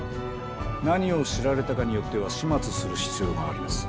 何を知られたかによっては始末する必要があります。